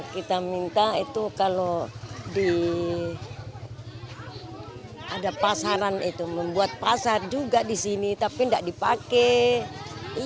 kita minta itu kalau ada pasaran itu membuat pasar juga di sini tapi tidak dipakai